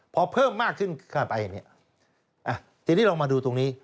พอเพิ่มมากขึ้นเข้าไปเนี่ยทีนี้เรามาดูตรงนี้